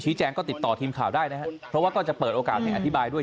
แจ้งก็ติดต่อทีมข่าวได้นะครับเพราะว่าก็จะเปิดโอกาสให้อธิบายด้วย